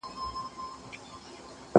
زه به سبا د سوالونو جواب ورکوم